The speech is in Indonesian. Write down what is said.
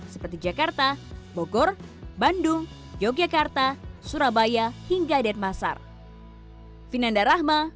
seperti jakarta bogor bandung yogyakarta surabaya hingga denpasar